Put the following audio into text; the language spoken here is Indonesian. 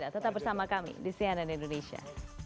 tetap bersama kami di cnn indonesia